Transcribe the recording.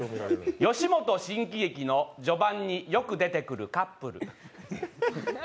吉本新喜劇の序盤によく出てくるカップル。